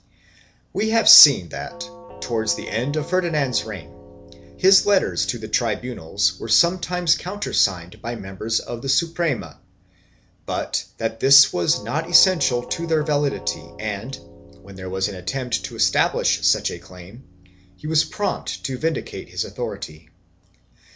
We have seen that, towards the end of Ferdinand's reign, his letters to the tribunals were sometimes countersigned by mem bers of the Suprema, but that this was not essential to their validity and, when there was an attempt to establish such a claim, he was prompt to vindicate his authority.